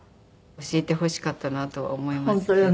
教えてほしかったなとは思いますけど。